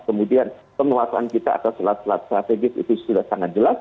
kemudian penguasaan kita atau strategis itu sudah sangat jelas